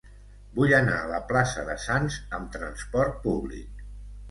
Vull anar a la plaça de Sants amb trasport públic.